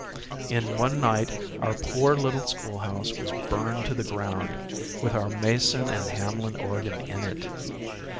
in one night our poor little schoolhouse was burned to the ground, with our Mason and Hamlin organ in it.